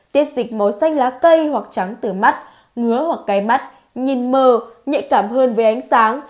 tiết dịch màu xanh lá cây hoặc trắng từ mắt ngứa hoặc cái mắt nhìn mờ nhạy cảm hơn với ánh sáng